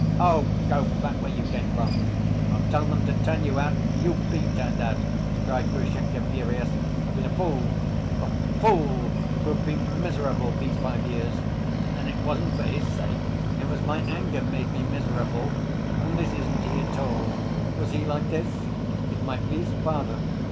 "Oh, go back where you came from! I'll tell them to turn you out and you'll be turned out," cried Grushenka, furious. "I've been a fool, a fool, to have been miserable these five years! And it wasn't for his sake, it was my anger made me miserable. And this isn't he at all! Was he like this? It might be his father!